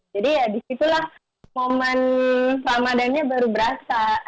jadi ya disitulah momen ramadannya baru berasa